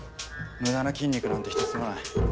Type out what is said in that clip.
無駄な筋肉なんてひとつもない。